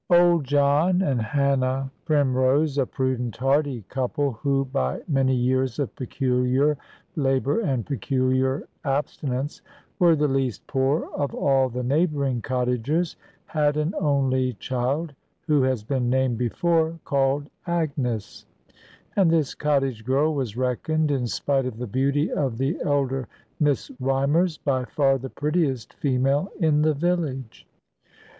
Old John and Hannah Primrose, a prudent hardy couple, who, by many years of peculiar labour and peculiar abstinence, were the least poor of all the neighbouring cottagers, had an only child (who has been named before) called Agnes: and this cottage girl was reckoned, in spite of the beauty of the elder Miss Rymers, by far the prettiest female in the village.